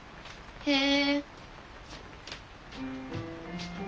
へえ。